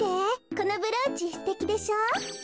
このブローチすてきでしょ？